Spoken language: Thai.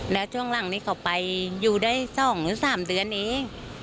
แล้วช่วงหลังนี้เขาไปอยู่ได้๒หรือ๓เดือนเอง